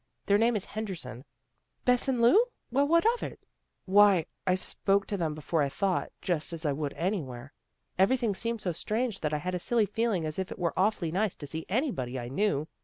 " Their name is Henderson." "Bess and Lu! Well, what of it? "" Why, I spoke to them before I thought, just as I would anywhere. Everything seemed so strange that I had a silly feeling as if it were awfully nice to see anybody I knew.